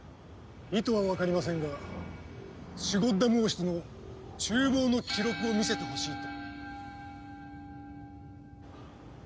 意図はわかりませんがシュゴッダム王室の厨房の記録を見せてほしいと。